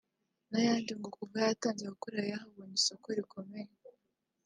n’ayandi ngo kuva yatangira gukorera yo yahabonye isoko rikomeye